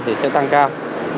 thì sẽ tăng cao